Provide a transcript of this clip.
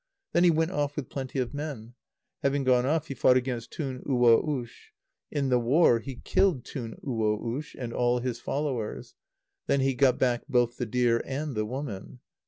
Then he went off with plenty of men. Having gone off, he fought against Tun uwo ush. In the war, he killed Tun uwo ush and all his followers. Then he got back both the deer and the woman.